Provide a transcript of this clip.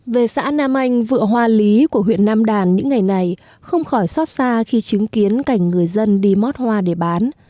về xã nam anh vựa hoa lý của huyện nam đàn những ngày này không khỏi xót xa khi chứng kiến cảnh người dân đi mót hoa để bán